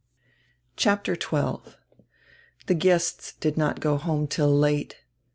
] CHAPTER XII THE guests did not go home till late.